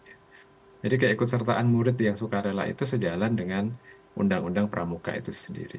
jadi keikutsertaan murid yang sukarela itu sejalan dengan undang undang pramuka itu sendiri